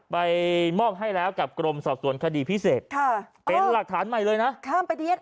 ไปมอบให้แล้วกับกรมสอบส่วนคดีพิเศษเป็นหลักฐานใหม่เลยนะ